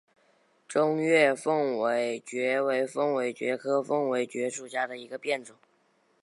中越凤尾蕨为凤尾蕨科凤尾蕨属下的一个变种。